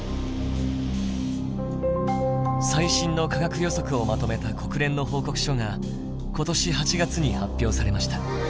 最新の科学予測をまとめた国連の報告書が今年８月に発表されました。